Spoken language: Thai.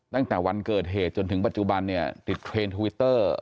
ตั้งแต่วันเกิดเหตุจนถึงปัจจุบันเนี่ยติดเทรนดทวิตเตอร์